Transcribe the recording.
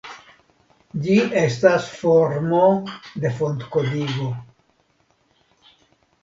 Ĝi estas formo de fontkodigo.